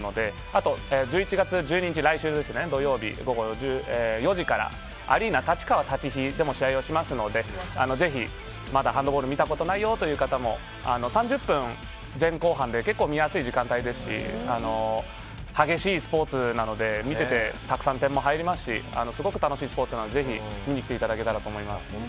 あと１１月１２日、来週土曜日午後４時からアリーナ立川立飛でも試合をしますので、ぜひまだハンドボールを見たことないという方も３０分、前後半で結構見やすい時間帯ですし激しいスポーツなので見ていて、たくさん点も入りますしすごく楽しいスポーツなのでぜひ見に来ていただけたらと思います。